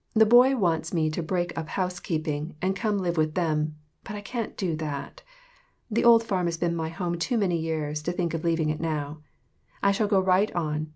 5 That boy wants me to "break up house keeping and come and live with them ; but I can't do that. The old farm has been my home too many years to think of leaving it now. I shall go right on.